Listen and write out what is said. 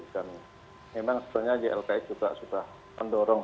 dan memang sebenarnya jlk sudah mendorong